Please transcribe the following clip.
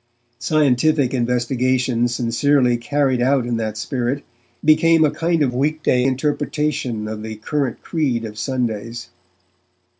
Scientific investigation sincerely carried out in that spirit became a kind of weekday interpretation of the current creed of Sundays.